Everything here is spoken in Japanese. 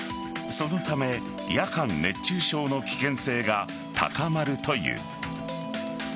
そのため夜間熱中症の危険性が高まるという。